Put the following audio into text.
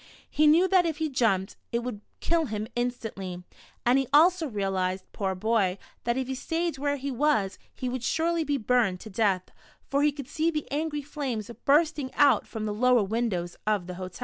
He knew that if he jumped, it would kill him instantly, and he also realized, poor boy, that if he stayed where he was, he would surely be burned to death, for he could see the angry flames bursting out from the lower windows of the hotel.